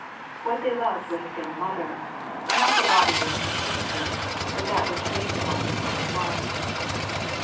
What they loved was their mother: not the body which contained her, but that which made the body what it was."